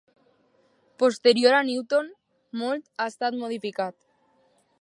Posterior a Newton, molt ha estat modificat.